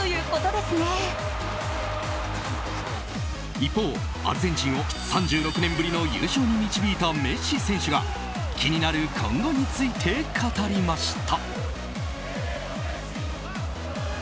一方、アルゼンチンを３６年ぶりの優勝に導いたメッシ選手が気になる今後について語りました。